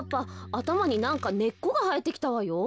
あたまになんかねっこがはえてきたわよ。